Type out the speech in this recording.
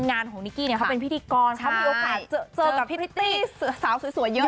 งานของนิกกี้ก็เป็นพิธีกรเคาะมีโอกาสเจอที่นิกี้สาวสวยเยอะ